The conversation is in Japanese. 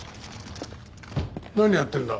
何やってるんだ？